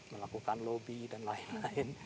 melakukan lobby dan lain lain